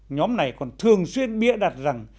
nhóm này còn thường xuyên bia đặt rằng